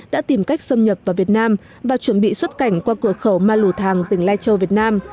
đã tìm cách xâm nhập vào việt nam và chuẩn bị xuất cảnh qua cửa khẩu ma lù thàng tỉnh lai châu việt nam